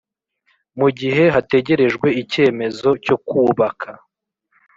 Mu gihe hategerejwe icyemezo cyo kubaka